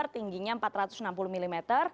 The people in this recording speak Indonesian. tingginya empat ratus enam puluh mm